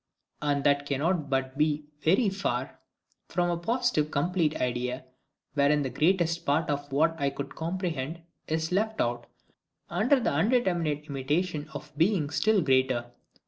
And that cannot but be very far from a positive complete idea, wherein the greatest part of what I would comprehend is left out, under the undeterminate intimation of being still greater.